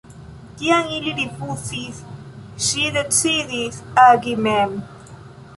Kiam ili rifuzis, ŝi decidis agi mem.